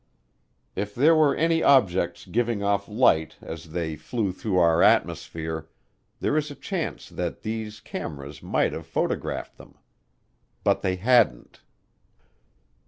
If there were any objects giving off light as they flew through our atmosphere, there is a chance that these cameras might have photographed them. But they hadn't.